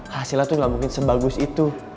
hasilnya tuh gak mungkin sebagus itu